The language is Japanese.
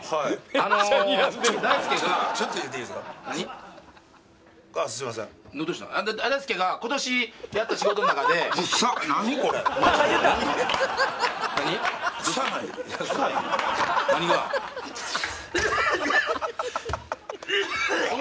あの大輔が今年やった仕事の中でどうしたの？